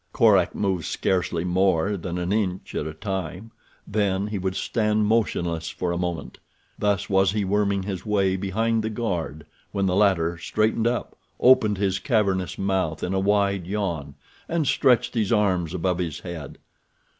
Korak moved scarcely more than an inch at a time, then he would stand motionless for a moment. Thus was he worming his way behind the guard when the latter straightened up, opened his cavernous mouth in a wide yawn, and stretched his arms above his head.